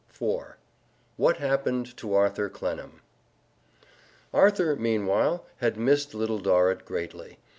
IV WHAT HAPPENED TO ARTHUR CLENNAM Arthur, meanwhile, had missed Little Dorrit greatly.